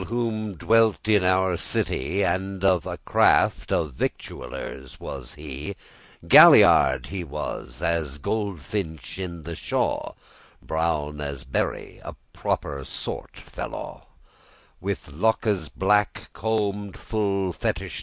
A prentice whilom dwelt in our city, And of a craft of victuallers was he: Galliard* he was, as goldfinch in the shaw, *lively grove Brown as a berry, a proper short fellaw: With lockes black, combed full fetisly.